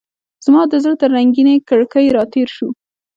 زما د زړه تر رنګینې کړکۍ راتیر شو